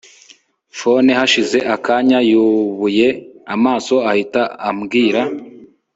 phone hashize akanya yubuye amaso ahita abwira